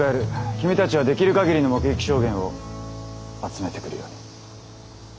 君たちはできる限りの目撃証言を集めてくるように。